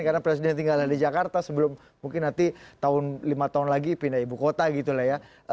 karena presiden tinggal di jakarta sebelum mungkin nanti tahun lima tahun lagi pindah ibu kota gitu lah ya